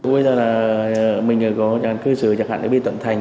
bây giờ là mình có cơ sở chẳng hạn ở bên tuận thành